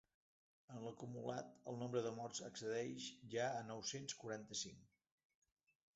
En l’acumulat, el nombre de morts ascendeix ja a nou-cents quaranta-cinc.